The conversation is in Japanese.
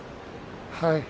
はい。